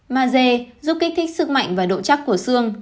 mage giúp kích thích sức mạnh và độ chắc của xương